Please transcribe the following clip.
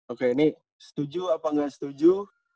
oke ini setuju apa nggak setuju